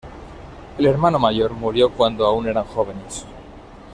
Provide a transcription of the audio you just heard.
El hermano mayor murió cuando aún era jóvenes.